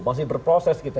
masih berproses gitu